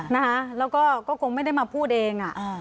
นะคะแล้วก็ก็คงไม่ได้มาพูดเอง